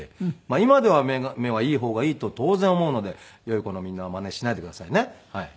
今では目はいい方がいいと当然思うので良い子のみんなはマネしないでくださいね。